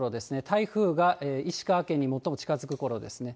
台風が石川県に最も近づくころですね。